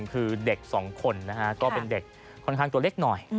คือเด็กสองคนนะฮะก็เป็นเด็กค่อนข้างตัวเล็กหน่อย